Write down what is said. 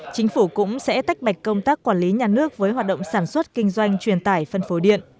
chính phủ cũng sẽ tách bạch công tác quản lý nhà nước với hoạt động sản xuất kinh doanh truyền tải phân phối điện